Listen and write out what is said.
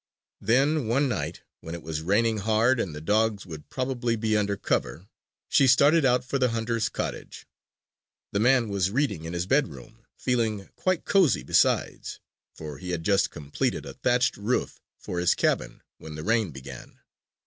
Then, one night when it was raining hard and the dogs would probably be under cover, she started out for the hunter's cottage. The man was reading in his bedroom, feeling quite cozy besides, for he had just completed a thatched roof for his cabin when the rain began.